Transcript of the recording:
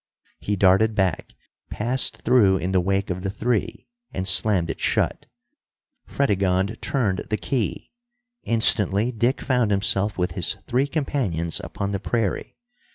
He darted back, passed through in the wake of the three, and slammed it shut. Fredegonde turned the key. Instantly Dick found himself with his three companions upon the prairie.